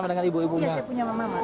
di jalan garuda